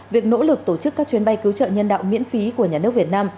các trường hợp tổ chức các chuyến bay cứu trợ nhân đạo miễn phí của nhà nước việt nam